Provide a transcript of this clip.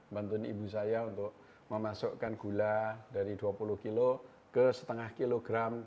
bantuin ibu saya untuk memasukkan gula dari dua puluh kilo ke setengah kilogram